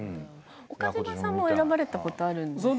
岡島さんも選ばれたことあるんですよね。